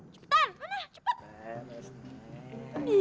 cepetan mana cepet